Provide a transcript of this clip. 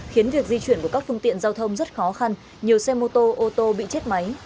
khiến việc di chuyển của các phương tiện giao thông rất khó khăn nhiều xe mô tô ô tô bị chết máy